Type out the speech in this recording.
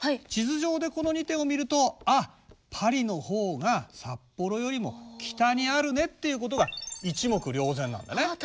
地図上でこの２点を見るとあっパリのほうが札幌よりも北にあるねっていうことが一目瞭然なんだね。